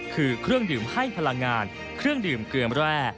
คือเครื่องดื่มให้พลังงานเครื่องดื่มเกลือมแร่